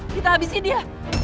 kita habisi dia